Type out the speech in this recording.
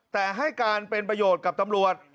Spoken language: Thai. แต่ให้การเป็นประโยชน์กับตำรวจ